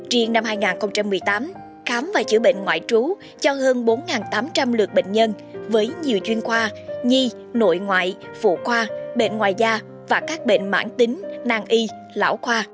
riêng năm hai nghìn một mươi tám khám và chữa bệnh ngoại trú cho hơn bốn tám trăm linh lượt bệnh nhân với nhiều chuyên khoa nhi nội ngoại phụ khoa bệnh ngoài da và các bệnh mãn tính nàng y lão khoa